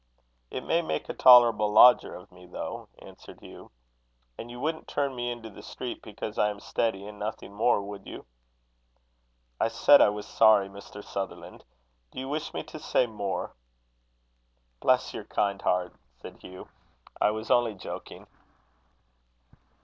"It may make a tolerable lodger of me, though," answered Hugh; "and you wouldn't turn me into the street because I am steady and nothing more, would you?" "I said I was sorry, Mr. Sutherland. Do you wish me to say more?" "Bless your kind heart!" said Hugh. "I was only joking."